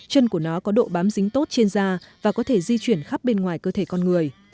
chân của nó có độ bám dính tốt trên da và có thể di chuyển khắp bên ngoài cơ thể con người